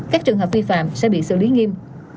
các trường hợp vi phạm sẽ bị xử lý nghiêm